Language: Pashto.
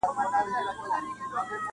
• چاچي د جهاني صاحب ورکه مېنه لوستې وي -